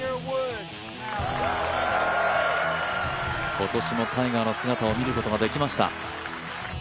今年もタイガーの姿を見ることができました。